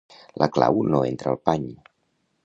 La clau no entra al pany.